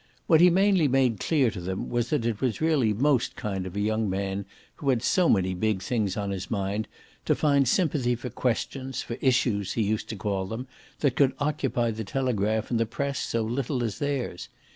What he mainly made clear to them was that it was really most kind of a young man who had so many big things on his mind to find sympathy for questions, for issues, he used to call them, that could occupy the telegraph and the press so little as theirs.